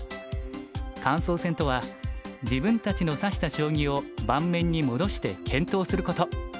感想戦とは自分たちの指した将棋を盤面に戻して検討すること。